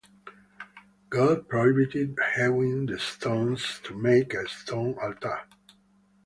God prohibited hewing the stones to make a stone altar.